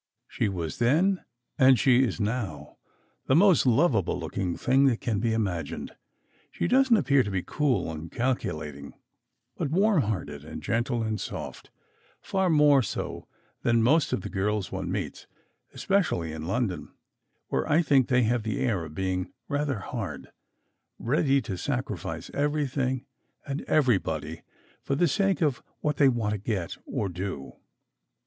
She was then and she is now the most lovable looking thing that can be imagined. She doesn t appear to be cool and calculating, but warm hearted and gentle and soft, far more so than most of the girls one meets, especially in London, where I think they have the air of being rather hard: ready to sacrifice everything and everybody for the sake of what they want to get or do.